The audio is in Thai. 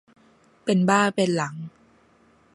เป็นบ้าเป็นหลัง